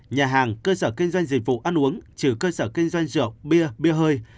nhà hàng cơ sở kinh doanh dịch vụ ăn uống trừ cơ sở kinh doanh rượu bia bia hơi